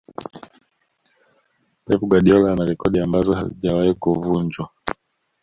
pep guardiola ana rekodi ambazo hazijawahi kuvunjwa